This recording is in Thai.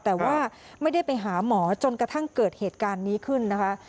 แต่ว่าไม่ได้ไปหาหมอจนกระทั่งเกิดเหตุการณ์นี้ขึ้นนะคะ